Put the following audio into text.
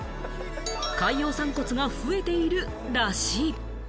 海洋散骨が増えているらしい。